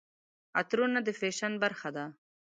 عطرونه د فیشن برخه ده.